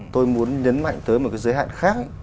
tôi muốn nhấn mạnh tới một cái giới hạn khác